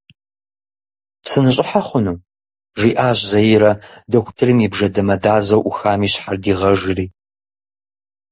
«Сыныщӏыхьэ хъуну?» жиӏащ Заирэ, дохутырым и бжэ дамэдазэу ӏухам и щхьэр дигъэжыри.